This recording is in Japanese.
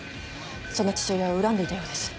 そんな父親を恨んでいたようです。